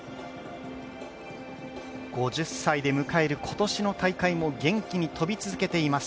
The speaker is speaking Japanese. ５０歳で迎える今年の大会も元気に飛び続けています